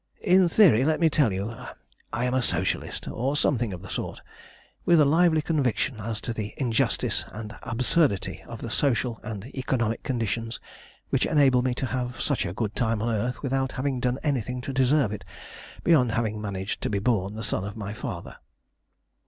In theory, let me tell you, I am a Socialist, or something of the sort, with a lively conviction as to the injustice and absurdity of the social and economic conditions which enable me to have such a good time on earth without having done anything to deserve it beyond having managed to be born the son of my father."